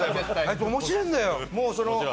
あいつ、面白いんだよ。